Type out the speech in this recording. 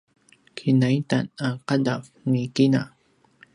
kinaitan a qadav ni kina